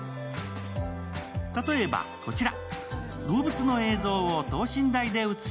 例えばこちら。